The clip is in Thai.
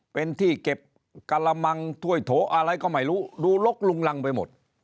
เป็นที่เก็บกระมังถ้วยโถอะไรก็ไม่รู้ดูลกลุงรังไปหมด